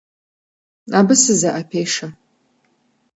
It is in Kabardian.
Абы сызэӏэпешэ.